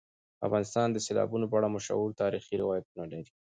افغانستان د سیلابونو په اړه مشهور تاریخی روایتونه لري.